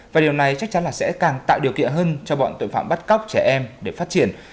và điều này chắc chắn là sẽ càng tạo điều kiện hơn cho bọn tội phạm bắt cóc trẻ em để phát triển